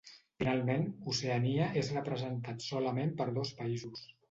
Finalment, Oceania és representat solament per dos països.